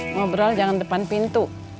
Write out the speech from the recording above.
ngobrol jangan depan pintu